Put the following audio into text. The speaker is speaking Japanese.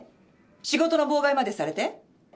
仕事の妨害までされて？